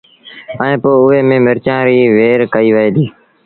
ائيٚݩ پو اُئي ميݩ مرچآݩ ريٚ وهير ڪئيٚ وهي ديٚ